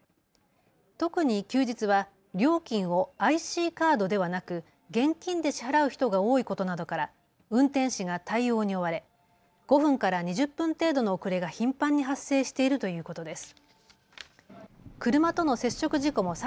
特に休日は料金をＩＣカードではなく現金で支払う人が多いことなどから運転士が対応に追われ５分から２０分程度の遅れが頻繁に発生しているということです。